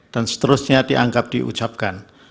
dan seterusnya dianggap diucapkan